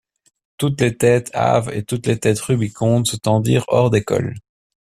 Toutes les têtes hâves et toutes les têtes rubicondes se tendirent hors des cols.